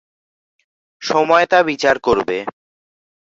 সময় তা বিচার করবে।